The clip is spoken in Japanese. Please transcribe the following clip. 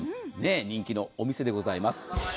人気のお店でございます。